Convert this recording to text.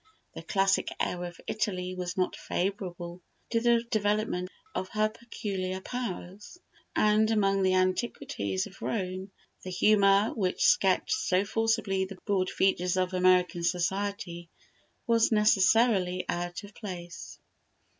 The classic air of Italy was not favourable to the development of her peculiar powers, and among the antiquities of Rome the humour which sketched so forcibly the broad features of American society was necessarily out of place.